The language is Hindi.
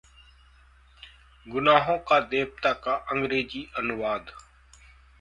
'गुनाहों का देवता' का अंग्रेजी अनुवाद